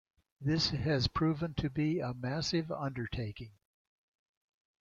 This has proven to be a massive undertaking.